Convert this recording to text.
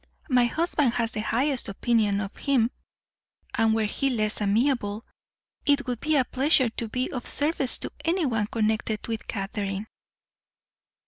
My husband has the highest opinion of him; and were he less amiable, it would be a pleasure to be of service to anyone connected with Catherine."